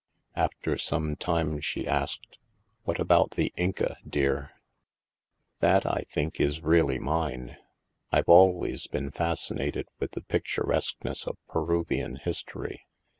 After some time she asked :" What about ' The Inca,' dear ?"" That, I think, is really mine. I'd always been fascinated with the picturesqueness of Peruvian history.